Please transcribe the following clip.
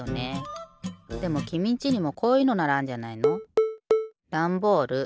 でもきみんちにもこういうのならあんじゃないの？